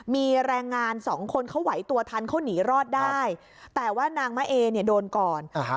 มีแรงงานสองคนเขาไหวตัวทันเขาหนีรอดได้แต่ว่านางมะเอเนี่ยโดนก่อน